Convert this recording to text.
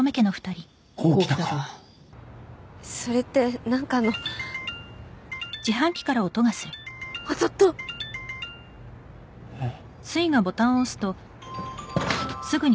こうきたかそれってなんかの当たった！えっ？